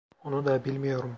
Onu da bilmiyorum.